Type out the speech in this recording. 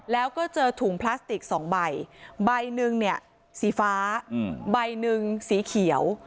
แล้วก็เจอถุงพลาสติกสองใบใบหนึ่งเนี่ยสีฟ้าใบหนึ่งสีเขียว